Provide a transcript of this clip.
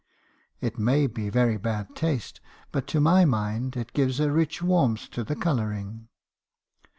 It may be very bad taste , but to my mind it gives a rich warmth to the colouring.